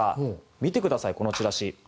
見てください、このチラシ。